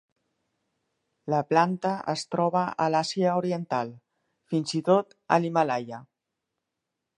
La planta es troba a l'Àsia Oriental, fins i tot a l'Himàlaia.